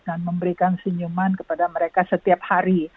dan memberikan senyuman kepada mereka setiap hari